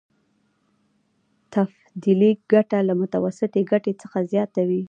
تفضيلي ګټه له متوسطې ګټې څخه زیاته وي